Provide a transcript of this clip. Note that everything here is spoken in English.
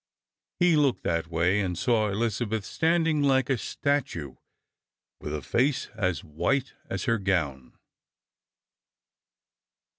He looked that way, and saw Elizabeth stand ing like a statue, with a face as white as her gown.